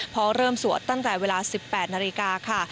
เพราะเริ่มสวดตั้งแต่เวลา๑๘นาฬิกาค่ะ